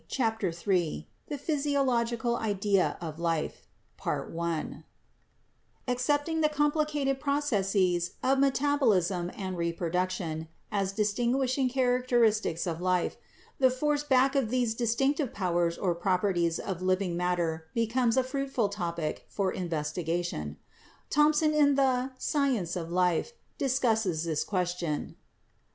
CHAPTER III PHYSIOLOGICAL IDEA OF LIFE Accepting the complicated processes of metabolism and reproduction as distinguishing characteristics of life, the force back of these distinctive powers or properties of living matter becomes a fruitful topic for investigation. Thompson in the 'Science of Life' discusses this question.